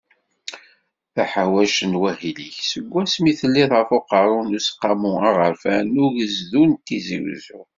Taḥawact n wahil-ik, seg wasmi telliḍ ɣef uqerru n Useqqamu Aɣerfan n Ugezdu n Tizi Uzzu.